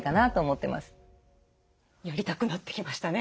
やりたくなってきましたね。